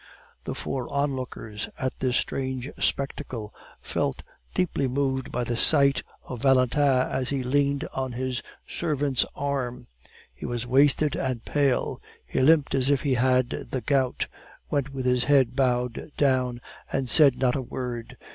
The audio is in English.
The four onlookers at this strange spectacle felt deeply moved by the sight of Valentin as he leaned on his servant's arm; he was wasted and pale; he limped as if he had the gout, went with his head bowed down, and said not a word.